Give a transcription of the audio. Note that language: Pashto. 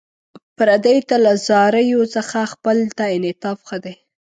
پردیو ته له زاریو څخه خپلو ته انعطاف ښه دی.